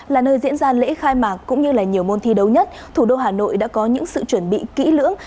là nơi diễn ra lễ khai mạc cũng như là nhiều môn thi đấu nhất thủ đô hà nội đã có những sự chuẩn bị kỹ lưỡng